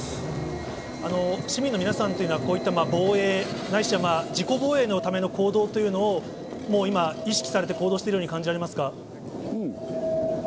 市民の皆さんというのは、こういった防衛、ないしは自己防衛のための行動というのを、もう今、意識されて行動しているように感じられますか？